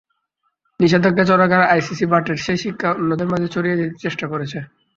নিষেধাজ্ঞা চলাকালে আইসিসি বাটের সেই শিক্ষা অন্যদের মাঝে ছড়িয়ে দিতে চেষ্টা করেছে।